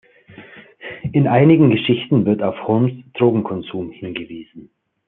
In einigen Geschichten wird auf Holmes Drogenkonsum hingewiesen.